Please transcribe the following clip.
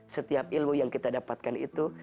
setiap ilmu yang kita dapatkan itu